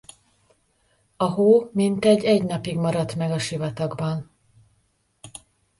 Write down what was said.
A hó mintegy egy napig maradt meg a sivatagban.